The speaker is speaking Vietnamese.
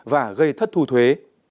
và gây thất thu thuế